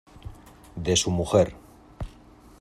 de su mujer.